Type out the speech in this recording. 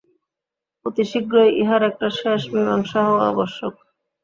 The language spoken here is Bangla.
অতিশীঘ্রই ইহার একটা শেষ মীমাংসা হওয়া আবশ্যক।